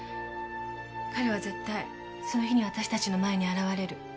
彼は絶対その日にあたしたちの前に現れる。